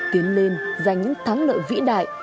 tiến lên giành những thắng lợi vĩ đại